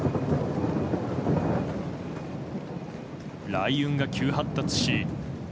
雷雲が急発達し。